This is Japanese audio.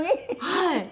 はい。